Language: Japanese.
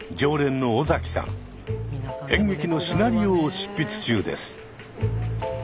演劇のシナリオを執筆中です。